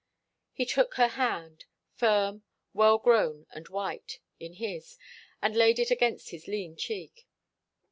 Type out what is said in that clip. He took her hand firm, well grown and white in his and laid it against his lean cheek.